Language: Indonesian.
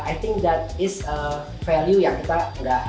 i think that is a value yang kita udah dapatkan kalau rumahnya sekedar dicat biasa